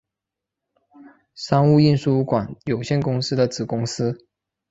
商务印书馆有限公司的子公司。